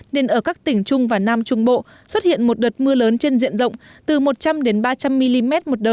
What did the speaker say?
nên ở các tỉnh trung và nam trung bộ xuất hiện một đợt mưa lớn trên diện rộng từ một trăm linh ba trăm linh mm một đợt